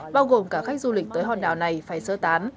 bao gồm cả khách du lịch tới hòn đảo này phải sơ tán